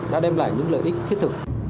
đã đem lại những lợi ích thiết thực